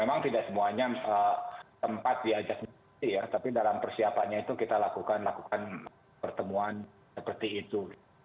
memang tidak semuanya tempat diajak tapi dalam persiapannya itu kita lakukan pertemuan seperti itu